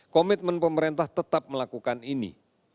komitmen pemerintah tetap melakukan ini